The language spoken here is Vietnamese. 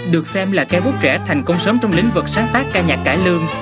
được xem là ca bút trẻ thành công sớm trong lĩnh vực sáng tác ca nhạc cải lương